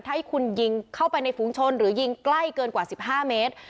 ถ้าให้คุณยิงเข้าไปในฝูงชนหรือยิงใกล้เกินกว่า๑๕เมตร